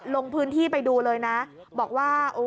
ลงพื้นที่ไปดูเลยนะบอกว่า